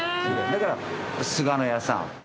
だから菅乃屋さん。